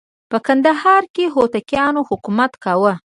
په کندهار کې هوتکیانو حکومت کاوه.